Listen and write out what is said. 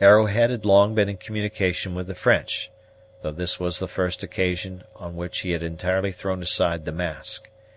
Arrowhead had long been in communication with the French, though this was the first occasion on which he had entirely thrown aside the mask.